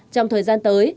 trong thời gian tới